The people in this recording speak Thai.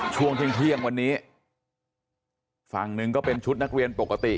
ช่วงเที่ยงวันนี้ฝั่งหนึ่งก็เป็นชุดนักเรียนปกติ